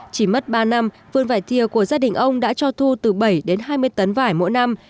chỉ mất ba năm vườn vải thiều của gia đình ông đã cho thu từ bảy đến hai mươi tấn vải mỗi năm